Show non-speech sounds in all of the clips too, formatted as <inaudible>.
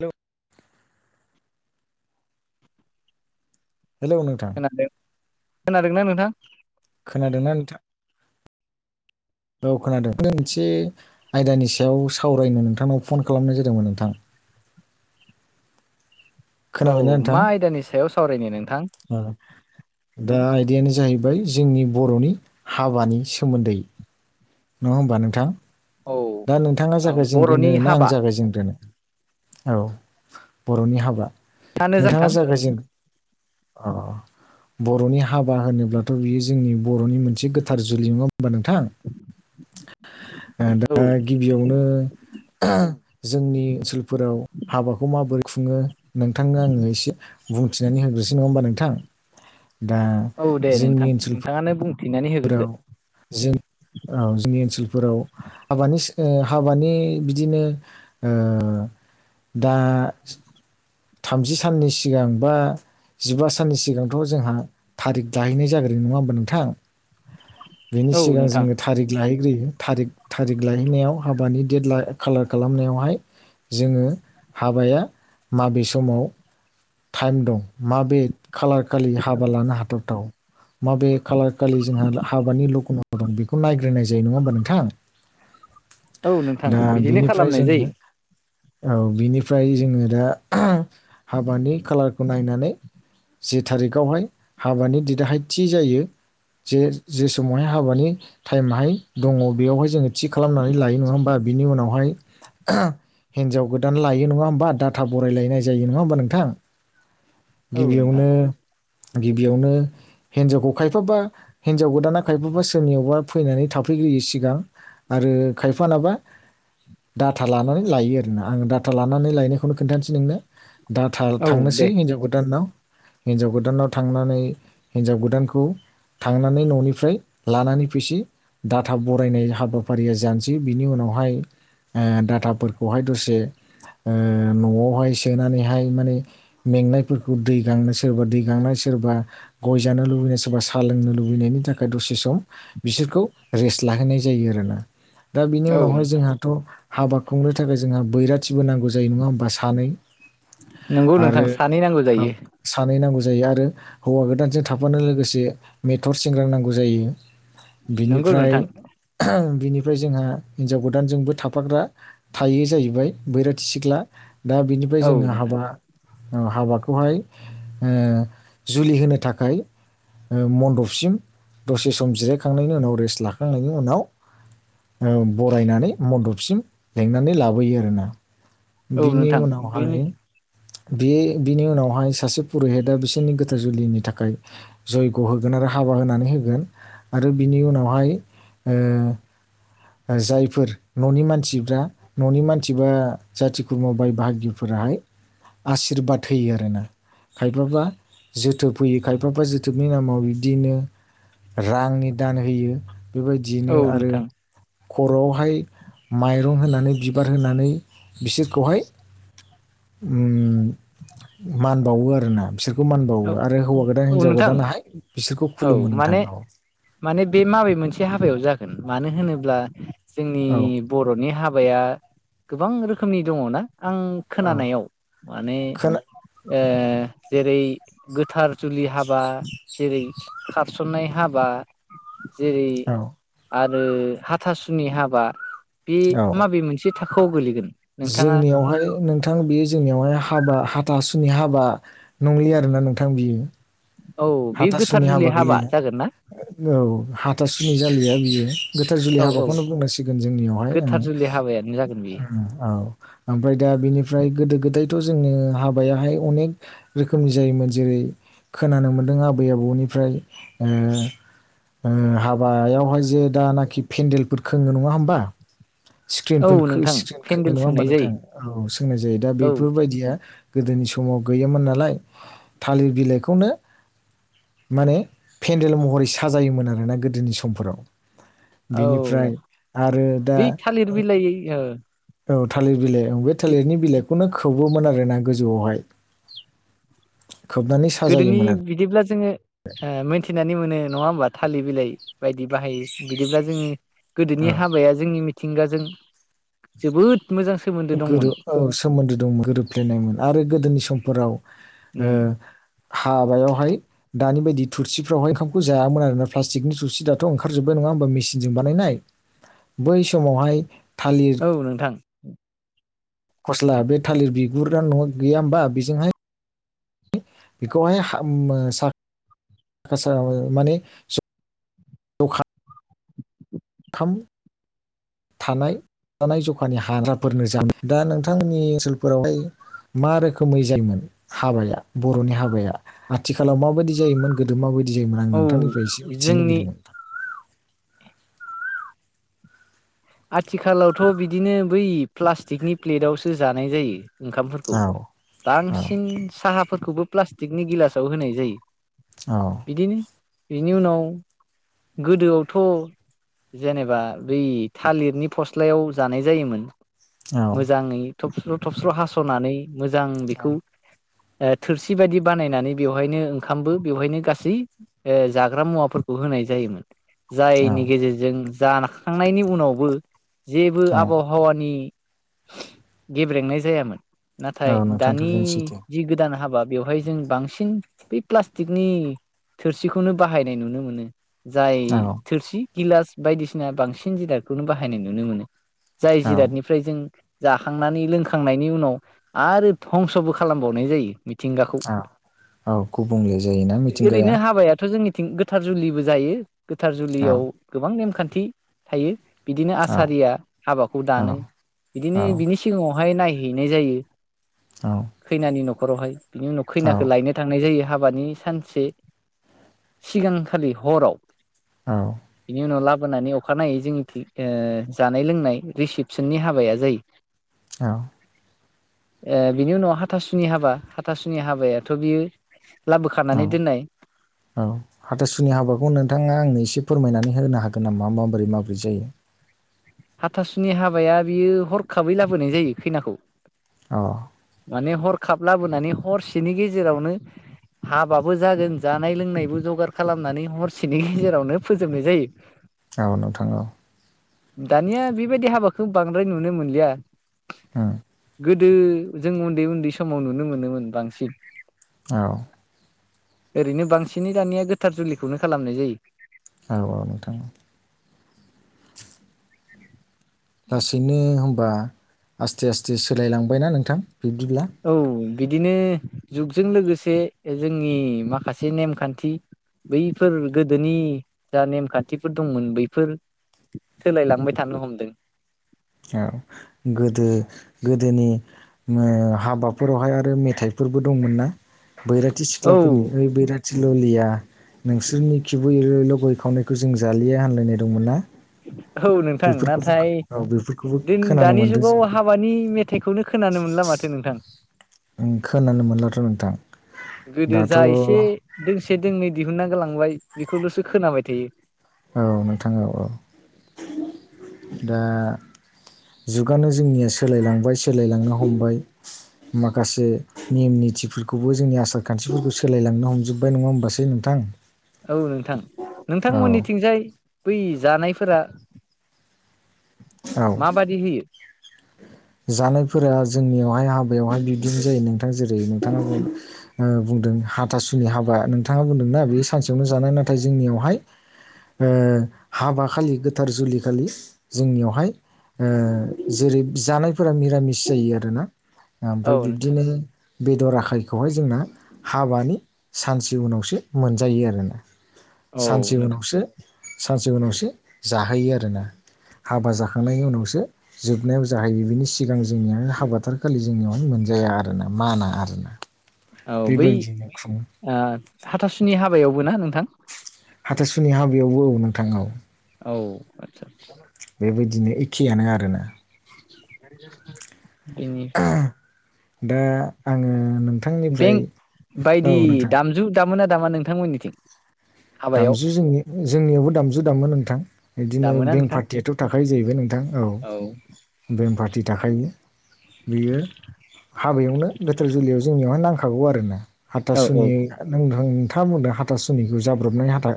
Hello <inaudible> hello नोंथां खोनादों खोनादोंना नोंथां? खोनादोना नोंथा? औ खोनादों <unintelligible> आयदानि सायाव सावरायनो नोंथांनाव फन खालामनाय जा दोंमोन नोंथां? औ खोनाबायना नोंथां मा आयदानि सायाव सावरायनो नोंथां? ओ दा आयदायानो जाहैबाय जोंनि बर'नि हाबानि सोमोन्दै नङा होमबा नोंथां । औ दा नोंथाङा औ जागायजेनग्रोनो बर'नि ना आं हाबा जागायजेनग्रोनो । औ बर'नि हाबा आनो जा नोंथाङा नोंथां जागायजेन अ बर'नि हाबा होनोब्लाथ' बियो जोंनि बर'नि मोनसे गोथार जुलि नुङा होमबा नोंथां ओ औ दा गिबियावनो जोंनि ओनसोलफोराव हाबाखौ माबोरै खुङो नोंथांनो आङो एसे बुंथिनानै होग्रोसै नङा होमबा नोंथां दा औ दे जोंनि नोंथां ओनसोल नोंथाङानो बुंथिनानै होग्रोदो फोराव जों औ जोंनि ओनसोलफोराव हाबानि ओ हाबानि बिदिनो ओ दा थामजि साननि सिगां बा जिबा साननि सिगांथ' जोंहा थारिग दाहैनाय जाग्रोयो नङा होमबा नोंथां बेनि औ सिगां नोंथां जोङो थारिख लाहैग्रोयो थारिक थारिक लायहैनायाव हाबानि डेट ला खालार खालामनायावहाय जोङो हाबाया माबे समाव टाइम दं माबे खालार खालि हाबा लानो हाथावथाव माबे खालार खालि जोंहा हाबानि लग्नआव दं बेखौ नायग्रोनाय जायो नङा होमबा नोंथां औ नोंथां दा बिदिनो बिनिफ्राय खालामनाय जोङो जायो औ बिनिफ्राय जोङो दा हाबानि खालारखौ नायनानै जि थारिखआवहाय हाबानि दिदाहाय थि जायो जे जे समावहाय हाबानि टाइमाहाय दङ बेयावहाय जोङो थि खालामनानै लायो नङा होमबा बिनि उनावहाय हिनजाव गोदान लायो नङा होमबा डाटा बरायलायनाय जायो नङा होमबा नोंथां औ नोंथां गिबियावनो गिबियावनो हिनजावखौ खायफाबा हिनजाव गोदाना खायफाबा सोरनियावबा फैनानै था फैग्रोयो सिगां आरो खायफानाबा डाथा लानानै लायो आरोना आं डाटा लानानै लायनायखौनो खोन्थानोसै नोंनो दाथा औ थांनोसै दे हिनजाव गोदानाव हिनजाव गोदानाव थांनानै हिन्जाव गोदानखौ थांनानै न'निफ्राय लानानै फैसि डाटा बरायनाय हाबाफारिया जानोसै बिनि उनावहाय डाथाफोरखौहाय दसे ओ ओ न'आवहाय सोनानैहाय माने मेंनायफोरखौ दै गांनो सोरबा दै गांनाय सोरबा गय जानो लुबैनाय सोरबा साहा लोंनो लुबैनायनि थाखाय दसे सम बिसोरखौ रेस्ट लाहोनाय जायो आरोना दा बिनि औ उनावहाय जोंहाथ' हाबा खुंनो थाखाय जोंहा बैराथिबो नांगौ जायो नङा होमबा सानै नंगौ नोंथां आरो सानै नांगौ जायो सानै नांगौ जायो आरो हौवा गोदानजों थाफानो लोगोसे मेथर सेग्रां नांगौ जायो नंगौ बिनिफ्राय नोंथां बिनिफ्राय जोंहा हिनजाव गोदानजोंबो थाफाग्रा थायो जाहैबाय बैराथि सिख्ला दा बिनिफ्राय औ जोङो नोंथां हाबा हाबाखौहाय ओ जुलि होनो थाखाय मन्दपसिम दसे सम जिरायखांनायनि उनाव रेस्ट लाखांनायनि उनाव ओ बरायनानै मदबसिम लेंनानै लाबोयो आरोना औ बिनि नोंथां उनावहाय बेनि बे बिनि उनावहाय सासे पुरुहिता बिसोरनि गोथार जुलिनि थाखाय जयग' होगोन आरो हाबा होनानै होगोन आरो बिनि उनावहाय ओ जायफोर न'नि मानसिफ्रा न'नि मानसि बा जाथि खुरमा बाय बाहागिफोरा हाय आस्रिबाद होयो आरोना खायफाबा जोथोब होयो खायफाबा जोथोबनि नामाव बिदिनो रांनि दान होयो औ बेबायदियैनो आरो नोंथां खर'आवहाय माइरं होनानै बिबार होनानै बिसोरखौहाय उम मान बावो आरोना बिसोरखौ बेखौ मान बावो औ आरो हौवा गोदान औ हिनजाव नोंथां गोदानाहाय बिसोरखौ औ खुलुमो नोंथां माने औ माने बे माबे मोनसे हाबायाव जागोन मानो होनोब्ला जोंनि औ बरनि हाबाया गोबां रोखोमनि दङ ना आं औ खोनानायाव माने खोना ओ जेरै गोथार जुलि हाबा जेरै खारसननाय हाबा जेरै औ आ रो हाथासुनि हाबा बे औ माबे मोनसे थाखोआव गोलैगोन नोंथाङा जोंनियावहाय नोंथां बे जोंनियावहाय हाबा हा थासुनि हाबा नंलिया आरोना नोंथां बियो औ बे हाथासुनि गोथार जुलि हाबा गोलैला जागोन ना औ हाथासुनि जालिया बियो गोथार जुलि औ औ हाबाखौनो बुंनांसिगोन जोंनियावहाय गोथार ओं जुलि हाबायानो जागोन बेयो उम औ ओमफ्राय दा बिनिफ्राय गोदो गोदायथ जोङो हाबायाहाय अनेक रोखोमनि जायोमोन जेरै खोनानो मोन्दों आबै आबौनिफ्राय ओ ओ हाबायावहाय जे दानाखि पेन्देलफोर खोङो नङा होमबा औ स्क्रिनफोर नोंथां स्क्रिन खोङो पेन्देल नङा होमबा सोंनाय नोंथां जायो औ सोंनाय जायो दा औ बेफोरबायदिया गोदोनि समाव गैयामोन नालाय थालिर बिलाइखौनो माने पेन्देल महरै साजायोमोन आरोना गोदोनि समफोराव औ बेनिफ्राय आरो दा बै थालिर ओ बिलाइ ओ औ थालिर बिलाइ औ बे थालिरनि बिलाइखौ खौनो खोबोमोन आरोना गोजौआवहाय खोबनानै गोदोनि साजायोमोन बिदिब्ला जोङो ओ मोनथिनानै मोनो नङा होमबा थालिर बिलाइ बायदि बाहायो बिदिब्ला जोङो गोदोनि आरो हाबाया जोंनि मिथिंगाजों जोबोद मोजां सोमोन्दो दंमोन गोरो औ सोमोन्दो दं गोरोबफ्लेनायमोन आरो गोदोनि समफोराव ओ उम हाबायावहाय दानि बायदि थुरसिफ्रावहायओंखाम जायामोन आरोना प्लास्टिकनि थुरसि दाथ ओंखारजोब्बाय नङा होमबा मिसिनजों बानायनाय बै समावहाय थालिर औ नोंथां फस्ला बे थालिर बिगुरा न आव गैया होमबा बेजोंहाय बेखौहाय <unintelligible> माने थाम थानाय थानाय जखानि हाग्राफोरनो <unintelligible> दा नोंथांमोननि ओनसोलफोरावहाय मा रोखोमै जायोमोन हाबाया बरनि हाबाया आथिखालाव माबायदि जायोमोन गोदो माबायदि जायोमोन आं औ नोंथांनिफ्राय एसे मिथिनो जोंनि लुबैदोंमो नोंथां आथिखालावथ बिदिनो बै प्लास्टिकनि प्लेटावसो जानाय जायो ओंखामफोरखौ औ औ बांसिन साहाफोरखौबो प्लास्टिकनि गिलासाव होनाय जायो औ बिदिनो बेनि उनाव गोदोआवथ जेनेबा बै थालिरनि फस्लायाव जानाय जायोमोन मोजाङै थबस्र थबस्र हासनानै मोजां बेखौ ओ थोरसि बायदि बानायनानै बेवहायनो ओंखामबो बेवहायनो गासै ओ जाग्रा मुवाफोरखौ होनाय जायोमोन जायनि गेजेरजों जाखांनायनि उनावबो जेबो औ आबहावानि गेब्रेंनाय जायामोन औ नाथाय नोंथां दानि थारैनो सैथो जि गोदान हाबा बेवहाय जों बांसिन बै प्लास्टिकनि थोरसिखौनो बाहायनाय नुनो मोनो जाय औ थोरसि गिलास बायदिसिना बांसिन जिरादखौनो बाहायनाय नुनो मोनो जाय औ जिरादनिफ्राय जों जाखांनानै लोंखांनायनि उनाव आरो धंसबो खालामबावनाय जायो मिथिंगाखौ औ औ गुबुंले जायोना मिथिंगाया ओरैनो हाबायाथ जोंनि थिं गोथार जुलिबो जायो गोथार औ जुलियाव गोबां नेमखान्थि थायो। बिदिनो औ आसारिया हाबाखौ औ दानो बिदिनो बिनि सिगाङावहाय नायहैनाय जायो खैनानि न'खरावहाय बिनि उनाव खैनाखौलायनो थांनाय जायो हाबानि सानसे सिगांखालि हराव बिनि उनाव ला बोनानै अखानायै जोंनिथिं जानाय लोंनाय ओ रिसिपसननि हाबाया जायो औ ओ बिनि उनाव हाथासुनि हाबा हाथासुनि हाबायाथ' बियो औ लाबोखानानै दोननाय औ हाथसुनि हाबा खौ नोंथाङा आंनो एसे फोरमायनानै होनो हागोन नामा माबोरै माबोरै जायो? हाथासुनि हाबाया बियो हरखाबै लाबोनाय जायो खैनाखौ औ माने हरखाब लाबोनानै हरसेनि गेजेरावनो हाबाबो जागोन जानाय लोंनायबो जगार खालामनानै हरसेनि गेजेरावनो फोजोबनाय जायो। औ नोंथां औ दानिया बेबायदि हाबाखौ बांद्राय नुनो मोनलिया ओम गोदो जों उन्दै-उन्दै समाव नुनो मोनोमोन बांसिन औ ओरैनो बांसिनै दानिया गोथार जुलिखौनो खालामनाय जायो औ औ नोंथां लासैनो होमबा आस्थे आस्थे सोलायलांबायना नोंथां? बिब्दिब्ला औ बिदिनो जुगजों लोगोसे जोंनि माखासे नेमखान्थि बैफोर गोदोनि जा नेमखान्थिफोर दंमोन बैफोर सोलायलांबाय थानो हमदों औ गोदो गोदोनि ओ हाबाफोरावहाय आरो मेथाइफोर फोरबो दंमोन ना? बैराथि औ सिख्लाफोरनि ओइ बैराथि ललिया नोंसोरनि खिबु एल एल गय खावनायखौ जों जालिया हानलायनाय दंमोन ना औ नोंथां बेफोरखौबो नाथाय औ बेफोरखौबो दिन खोनानो दानि मोनदों जुगाव जोङो हाबानि मेथाइखौनो खोनानो मोनला माथो नोंथां खोनानो मोनलाथ' नोंथां गोदो दाथ' जा औ एसे दोंसे दोंनै दिहुनना गोलांबाय बेखौल'सो खोनाबाय थायो औ नोंथां औ औ दा जुगानो जोंनिया सोलायलांबाय सोलायलांनो हमबाय माखासे निमनि निथिफोरखौबो जोंनि आसार खान्थिफोरखौ सोलायलांनो हमजोब्बाय नङा होमबासै नोंथां? औ नोंथां औ नोंथांमोननिथिंजाय बै जानायफोरा औ माबादि होयो? <inaudible> जानायफोरा जोंनियावहाय हाबायावहाय बिबदिनो जायो नोंथां जेरै नोंथाङा बुंदों ओ बुंदों हाथासुनि हाबा नोंथाङा बुंदोंना बे सानसेयावनो जानाय नाथाय जोंनियावहाय ओ हाबा खालि गोथार जुलि खालि जोंनियावहाय ओ जेरै जानायफोरा मिरामिस जायो आरोना ओमफ्राय औ नोंथां बिब्दिनो बेदर आखायखौहाय जोंना हाबानि सानसे उनावसो मोनजायो आरोना औ सानसे नोंथां उनावसो सानसे उनावसो जाहोयो आरोना हाबा जाखांनायनि उनावसो जोबनायाव ज जाहैयो बिनि सिगां जोंनिया हाबाथारि खालि जोंनियावनो मोनजाया आरोना माना आरोना औ बै बेबायदिनो खुङो ओ हाथासुनि हाबायावबो ना नोंथां? हाथासुनि हाबायावबो औ नोंथां औ। औ आदसा। बेबायदिनो एखेयानो आरोना। <inaudible> दा आङो। नोंथांनिफ्राय बेंक औ बायदि नोंथां दामजु दामोना दामा नोंथांमोननिथिं। हाबायाव दामजु जोंनि जोंनियावबो दामजु दामो नोंथां बिदिनो दामोना बेंक नोंथां पार्टियाथ' थाखायो जाहैबाय नोंथां। औ बेम पार्टि थाखायो। बेयो हाबायावनो गोथोर जुलियाव जोंनियावहाय नांगौ। खागौ आरोना औ औ हाथासुनि नोंथाङा बुंदों हाथासुनिखौ जा। जाब्र'बनाय हाथा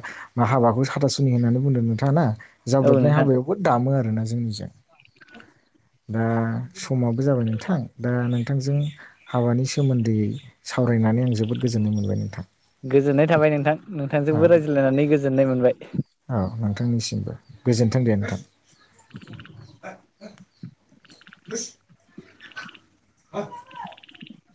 हाबाखौ साथासुनि होननानै बुंदों नोंथाङा ना औ जाब्रबनाय नोंथां हाबायावबो दामो आरोना । जोंनिजों दा समाबो जाबाय नोंथां दा नों। नोंथांजों हाबानि सोमोन्दैयै सावरायनानै आं जोबोद गोजोननाय मोनबाय नोंथां। गोजोननाय थाबाय नोंथां नोंथांजोंबो औ रायज्लायनानै गोजोननाय मोनबाय। औ नोंथांनिसिमबो गोजोन्थों दे नोंथां। <inaudible> <inaudible>